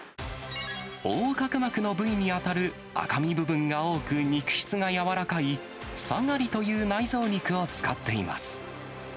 横隔膜の部位に当たる赤身部分が多く、肉質が柔らかい、サガリという内臓肉を使っています。